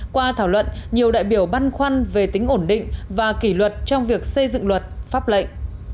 qua thảo luận nhiều đại biểu băn khoăn về tính ổn định và kỷ luật trong việc xây dựng luật pháp lệnh